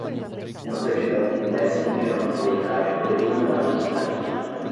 Uma certidão que me desse vinte anos de idade poderia enganar os estranhos